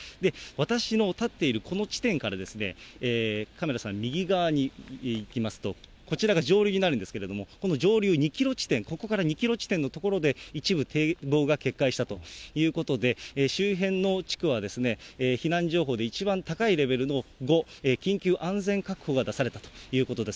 私の立っているこの地点からカメラさん、右側に行きますと、こちらが上流になるんですけれども、この上流２キロ地点、ここから２キロ地点の所で、一部堤防が決壊したということで、周辺の地区は避難情報で、一番高いレベルの５、緊急安全確保が出されたということです。